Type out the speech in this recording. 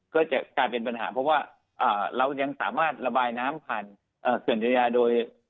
ก็จะกลายเป็นปัญหาเพราะว่าเรายังสามารถระบายน้ำผ่านเขื่อนยาโดย